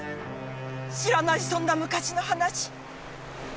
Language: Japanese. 知らないそんな昔の話。